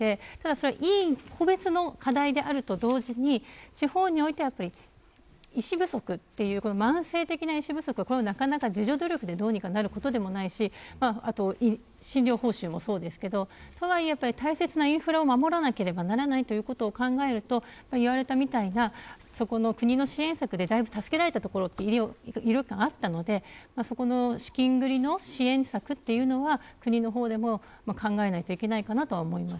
そこは医院個別の課題であるとともに地方においては医師不足という慢性的な問題は自助努力でどうにかなる問題でもなく診療報酬もそうで大切なインフラを守らなければならないことを考えると国の支援策で、だいぶ助けられたところが医療機関にもあったので資金繰りの支援策というのは国の方でも考えないといけないかなと思います。